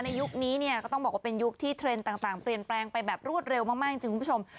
ยุคนี้เนี่ยก็ต้องบอกว่าเป็นยุคที่เทรนด์ต่างเปลี่ยนแปลงไปแบบรวดเร็วมากจริงคุณผู้ชม